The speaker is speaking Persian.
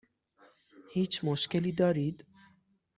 هیچ مشکلی دارید؟